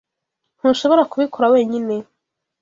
Ntushobora kubikora wenyine?